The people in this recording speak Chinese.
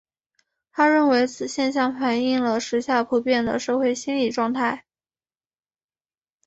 他认为此现象反映了时下普遍的社会心理状态。